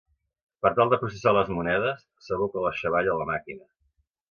Per tal de processar les monedes, s'aboca la xavalla a la màquina.